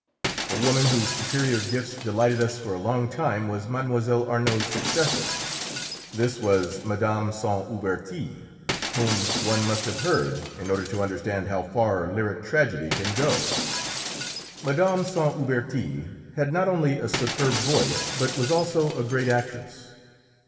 A woman whose superior gifts delighted us for a long time was Mlle. Arnould's successor. This was Mme. Saint Huberti, whom one must have heard in order to understand how far lyric tragedy can go. Mme. Saint Huberti had not only a superb voice, but was also a great actress.